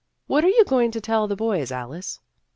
" What are you going to tell the boys, Alice?"